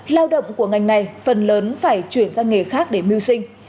lao động của ngành này phần lớn phải chuyển sang nghề khác để mưu sinh